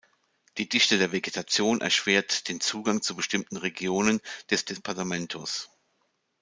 Die Dichte der Vegetation erschwert den Zugang zu bestimmten Regionen des Departamentos.